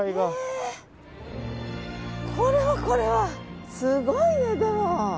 これはこれはすごいねでも。